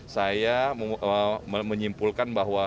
saya menyimpulkan bahwa